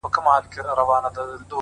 • تا ولي په مسکا کي قهر وخندوئ اور ته،